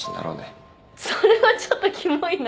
それはちょっとキモいな。